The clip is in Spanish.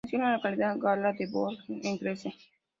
Nació en la localidad gala de Bourg-en-Bresse.